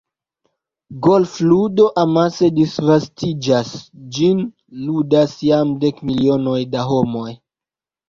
Golfludo amase disvastiĝas – ĝin ludas jam dek milionoj da homoj.